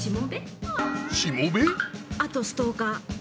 あとストーカー。